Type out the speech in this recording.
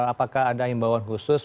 apakah ada himbawan khusus